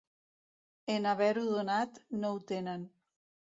En haver-ho donat, no ho tenen.